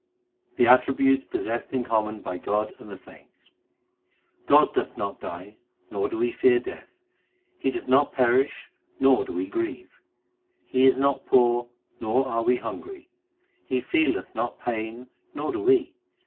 The attributes possessed in common by God and the saints : God doth not die, nor do we fear death ; He doth not perish, nor do we grieve. He is not poor, nor are we hungry ; He feeleth not pain, nor do we.